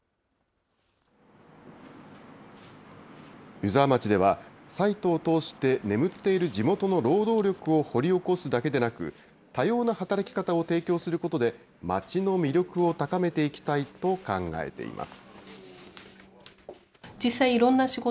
湯沢町では、サイトを通して眠っている地元の労働力を掘り起こすだけでなく、多様な働き方を提供することで、町の魅力を高めていきたいと考えています。